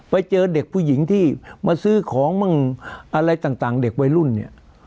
ไปเจอเด็กผู้หญิงที่มาซื้อของบ้างอะไรต่างเด็กวัยรุ่นเนี่ย